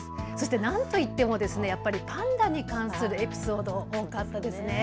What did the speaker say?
なんと言ってもパンダに関するエピソード、多かったですね。